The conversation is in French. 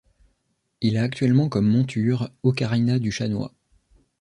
Il a actuellement comme monture Ocarina du Chanois.